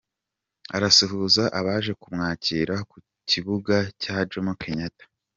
Arasuhuza abaje kumwakira ku kibuga cya Jomo Kenyatta.